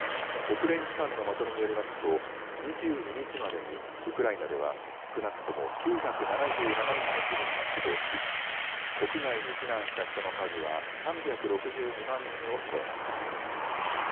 国連機関のまとめによりますと２２日までにウクライナでは少なくとも９７７人の市民が死亡し、国外に避難した人の数は３６２万人を超えました。